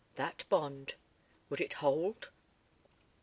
That bond. Would it hold?